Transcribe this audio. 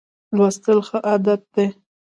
لوستل ښه عادت دی.